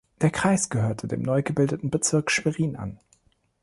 Der Kreis gehörte dem neu gebildeten Bezirk Schwerin an.